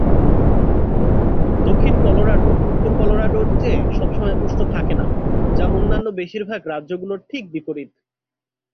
দক্ষিণ কলোরাডো উত্তর কলোরাডোর চেয়ে সবসময় উষ্ণ থাকে না, যা অন্যান্য বেশিরভাগ রাজ্যগুলির ঠিক বিপরীত।